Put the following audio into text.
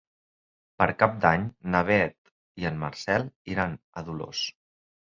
Per Cap d'Any na Beth i en Marcel iran a Dolors.